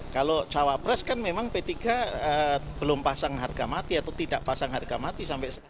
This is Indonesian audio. kalau cawapres kan memang p tiga belum pasang harga mati atau tidak pasang harga mati sampai